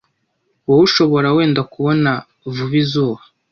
Wowe ushobora wenda kubona vuba izuba